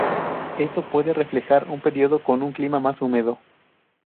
Esto puede reflejar un período con un clima más húmedo.